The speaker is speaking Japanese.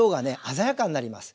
鮮やかになります。